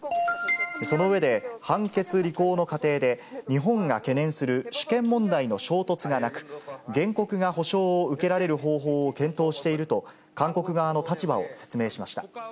その上で、判決履行の過程で、日本が懸念する主権問題の衝突がなく、原告が補償を受けられる方法を検討していると、韓国側の立場を説明しました。